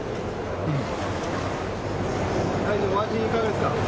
大臣、お味いかがですか。